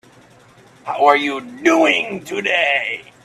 How are you doing today?